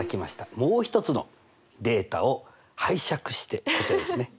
もう一つのデータを拝借してこちらですね。